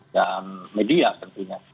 dan media tentunya